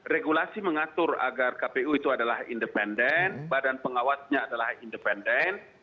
regulasi mengatur agar kpu itu adalah independen badan pengawasnya adalah independen